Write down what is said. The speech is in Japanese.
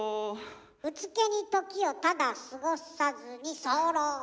「うつけに時をただ過ごさずに候！」とか？